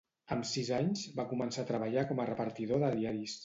Amb sis anys, va començar a treballar com a repartidor de diaris.